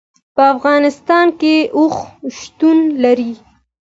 په افغانستان کې اوښ شتون لري.